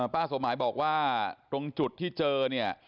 ป้าสมหมายบอกว่าตรงจุดที่เจอเนี่ย